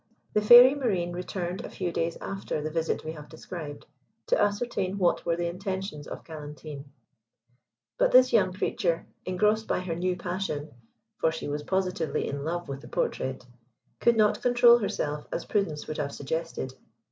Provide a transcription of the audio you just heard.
The Fairy Marine returned a few days after the visit we have described, to ascertain what were the intentions of Galantine; but this young creature, engrossed by her new passion (for she was positively in love with the portrait), could not control herself as prudence would have suggested.